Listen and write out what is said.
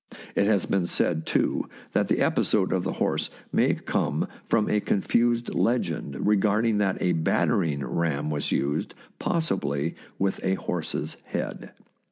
It has been said, too, that the episode of the horse may come from a confused legend recording that a battering ram was used — possibly with a horse's head.